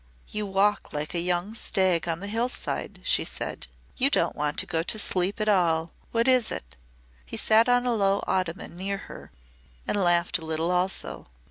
"You walk like a young stag on the hillside," she said. "You don't want to go to sleep at all. What is it?" He sat on a low ottoman near her and laughed a little also.